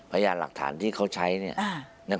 พยานหลักฐานที่เขาใช้